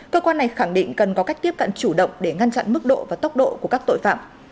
cơ quan này khẳng định cần có cách tiếp cận chủ động để ngăn chặn mức độ và tốc độ của các tội phạm